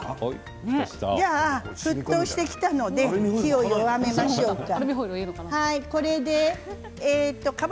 じゃあ沸騰してきたので火を弱めましょうか。